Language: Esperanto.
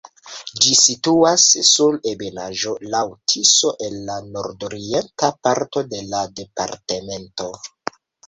Ĝi situas sur ebenaĵo laŭ Tiso en la nordorienta parto de la departemento.